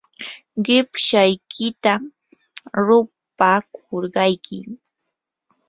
qipshaykitam rupakurqayki.